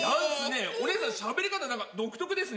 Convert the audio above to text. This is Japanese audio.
お姉さんしゃべり方なんか独特ですね。